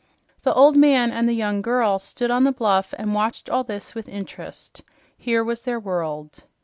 The old man and the young girl stood on the bluff and watched all this with interest. Here was their world.